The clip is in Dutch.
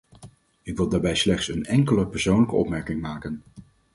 Ik wil daarbij slechts een enkele persoonlijke opmerking maken.